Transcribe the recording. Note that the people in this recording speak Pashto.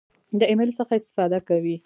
د ایمیل څخه استفاده کوئ؟